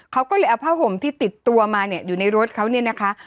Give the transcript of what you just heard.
เขาก็เลยเอาผ้าห่มที่ติดตัวมาเนี่ยอยู่ในรถเขาเนี่ยนะคะ